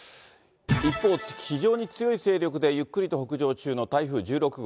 一方、非常に強い勢力でゆっくりと北上中の台風１６号。